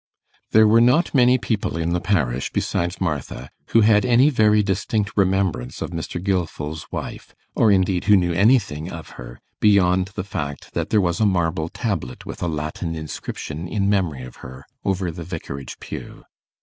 There were not many people in the parish, besides Martha, who had any very distinct remembrance of Mr. Gilfil's wife, or indeed who knew anything of her, beyond the fact that there was a marble tablet, with a Latin inscription in memory of her, over the vicarage pew.